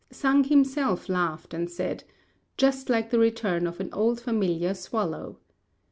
Sang himself laughed, and said, "Just like the return of an old familiar swallow."